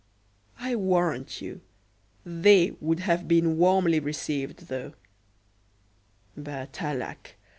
I warrant you, "they" would have been warmly received, though; but, alack!